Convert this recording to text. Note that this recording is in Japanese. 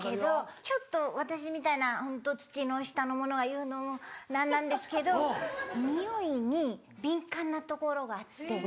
ちょっと私みたいなホント土の下の者が言うのも何なんですけどにおいに敏感なところがあって。